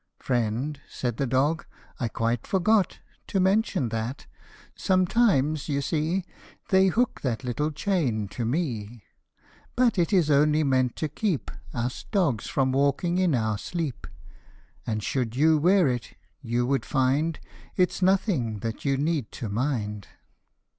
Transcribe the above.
" Friend," said the dog, " I quite forgot To mention that : sometimes, you see, They hook that little chain to me ; But it is only meant to keep Us dogs from walking in our sleep, And should you wear it, you would find, It's nothing that you need to mind."